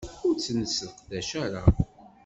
Ur tt-nesseqdac ara.